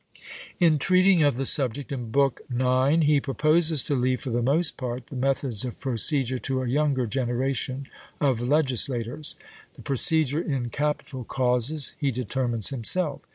In treating of the subject in Book ix, he proposes to leave for the most part the methods of procedure to a younger generation of legislators; the procedure in capital causes he determines himself.